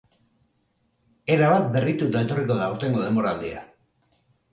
Erabat berrituta etorriko da aurtengo denboraldia.